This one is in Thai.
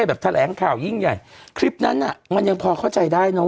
แบบแถลงข่าวยิ่งใหญ่คลิปนั้นอ่ะมันยังพอเข้าใจได้เนอะ